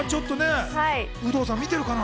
有働さん見てるかな？